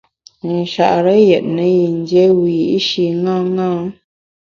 Nchare yètne yin dié wiyi’shi ṅaṅâ.